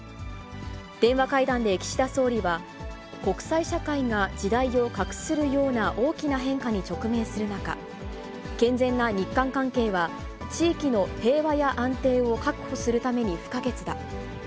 電話会談で岸田総理は、国際社会が時代を画するような大きな変化に直面する中、健全な日韓関係は、地域の平和や安定を確保するために不可欠だ。